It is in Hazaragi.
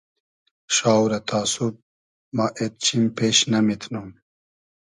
شاو رہ تا سوب ما اېد چیم پېش نئمیتنوم